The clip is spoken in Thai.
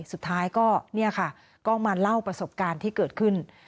สุดท้ายก็เนี่ยค่ะก็มาเล่าประสบการณ์ที่เกิดขึ้น